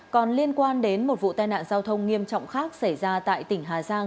còn liên quan đến một vụ tai nạn giao thông nghiêm trọng khác xảy ra tại tỉnh hà giang